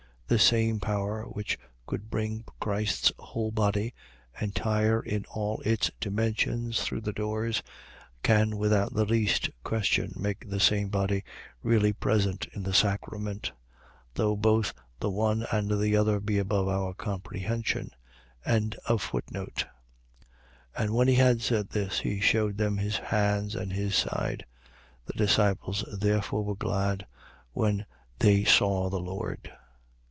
. .The same power which could bring Christ's whole body, entire in all its dimensions, through the doors, can without the least question make the same body really present in the sacrament; though both the one and the other be above our comprehension. 20:20. And when he had said this, he shewed them his hands and his side. The disciples therefore were glad, when they saw the Lord.